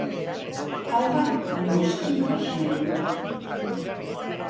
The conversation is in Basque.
Haurrak noski ikasi nahi du.